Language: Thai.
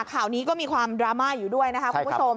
ข่าวนี้ก็มีความดราม่าอยู่ด้วยนะคะคุณผู้ชม